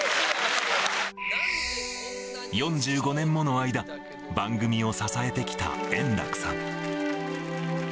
４５年もの間、番組を支えてきた円楽さん。